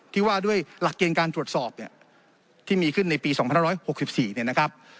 ที่ว่าด้วยหลักเกณฑ์การตรวจสอบเนี่ยที่มีขึ้นในปี๒๑๖๔เนี่ยนะครับ